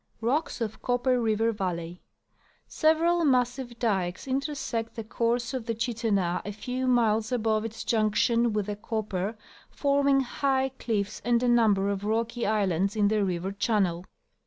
Rocks of Copper River Valley. — Several massive dikes intersect the course of the Chittenah a few miles above its junction with the Copper, forming high cliffs, and a number of rocky islands in the river channel.